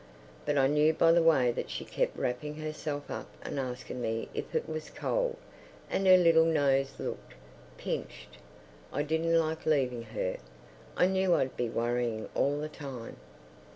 But I knew by the way that she kept wrapping herself up and asking me if it was cold—and her little nose looked... pinched. I didn't like leaving her; I knew I'd be worrying all the time.